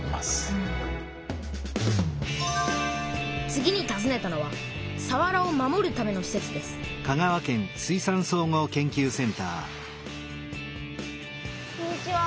次にたずねたのはさわらを守るためのしせつですこんにちは。